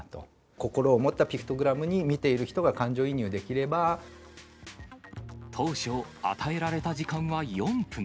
心を持ったピクトグラムに、当初、与えられた時間は４分。